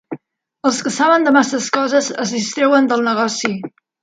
Els que saben de masses coses es distreuen del negoci